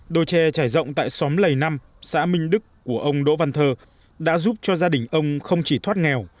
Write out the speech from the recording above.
đồi tre trải rộng tại xóm lầy năm xã minh đức của ông đỗ văn thơ đã giúp cho gia đình ông không chỉ thoát nghèo